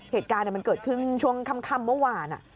เหตุการณ์มันเกิดขึ้นช่วงค่ำเมื่อวาน